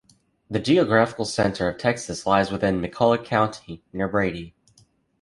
The geographical center of Texas lies within McCulloch County, near Brady.